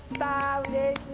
うれしい！